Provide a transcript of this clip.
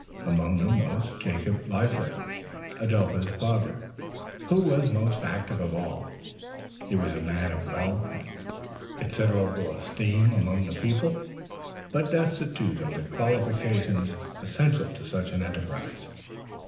Among them was Jacob Leisler, Adelpha's father, who was most active of all. He was a man of wealth and considerable esteem among the people, but destitute of the qualifications essential to such an enterprise.